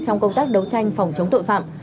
trong công tác đấu tranh phòng chống tội phạm